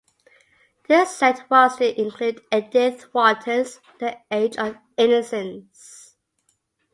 This set was to include Edith Wharton's "The Age of Innocence".